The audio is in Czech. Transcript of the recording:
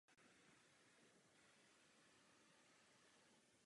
Tato samohláska se vyskytuje například v angličtině nebo v slovenštině.